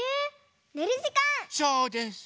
そうです！